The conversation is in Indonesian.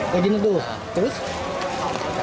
ya gini tuh terus